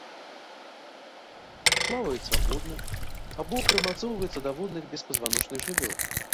Плаваюць свабодна або прымацоўваюцца да водных беспазваночных жывёл.